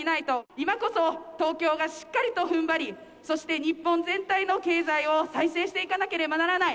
今こそ東京がしっかりとふんばり、そして日本全体の経済を再生していかなければならない。